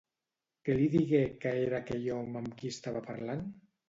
Què li digué que era aquell home amb qui estava parlant?